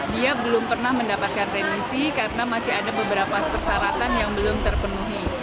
dia belum pernah mendapatkan remisi karena masih ada beberapa persyaratan yang belum terpenuhi